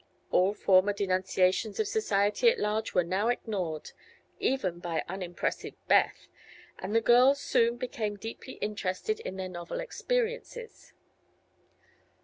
All former denunciations of society at large were now ignored, even by unimpressive Beth, and the girls soon became deeply interested in their novel experiences.